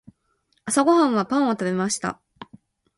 朝ごはんはパンを食べました。